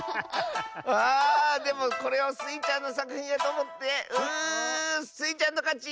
あでもこれをスイちゃんのさくひんやとおもってうスイちゃんのかち！